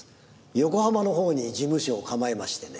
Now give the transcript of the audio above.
横浜のほうに事務所を構えましてね。